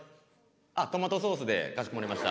あっトマトソースでかしこまりました。